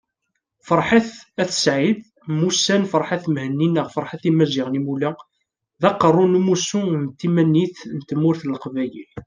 Ferḥat At Said mmusan Ferhat Mehenni neɣ Ferhat Imazighen Imula, d Aqerru n Umussu n Timanit n Tmurt n Leqbayel